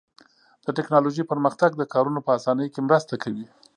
د تکنالوژۍ پرمختګ د کارونو په آسانۍ کې مرسته کوي.